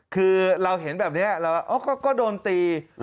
คือเราเห็นแบบนี้เราก็โดนตี